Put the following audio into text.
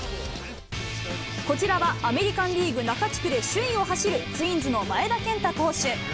こちらは、アメリカンリーグ中地区で首位を走る、ツインズの前田健太投手。